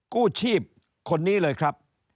กู้ชีพคนนี้เลยครับ